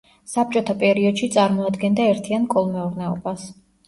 საბჭოთა პერიოდში წარმოადგენდა ერთიან კოლმეურნეობას.